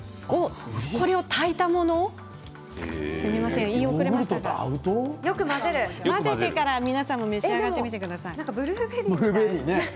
これを炊いたものをすみません欲が出ましたが混ぜてから皆さんも召し上がってください。